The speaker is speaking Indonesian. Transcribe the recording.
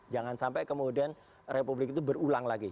jangan sampai kemudian republik itu berulang lagi